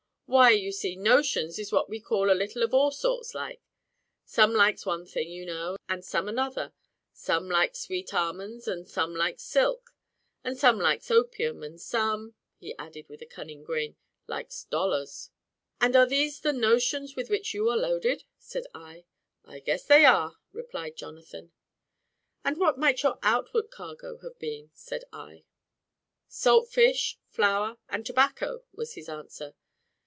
"Why, you see, notions is what we call a little of all sorts like. Some likes one thing, you know, and some another: some likes sweet almonds, and some likes silk, and some likes opium, and some" (he added, with a cunning grin) "likes dollars." "And are these the notions with which you are loaded?" said I. "I guess they are," replied Jonathan. "And what might your outward cargo have been?" said I. "Salt fish, flour, and tobacco," was his answer.